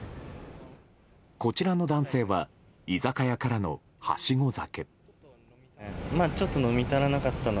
こちらの男性は居酒屋からのはしご酒。